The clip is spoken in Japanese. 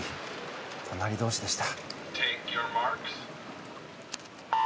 隣同士でした。